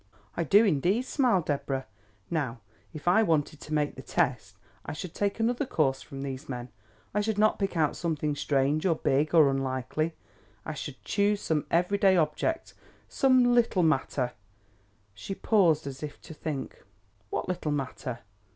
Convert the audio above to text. "I do, indeed," smiled Deborah. "Now, if I wanted to make the test, I should take another course from these men. I should not pick out something strange, or big, or unlikely. I should choose some every day object, some little matter " She paused as if to think. "What little matter?"